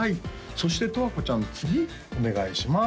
そして十和子ちゃん次お願いします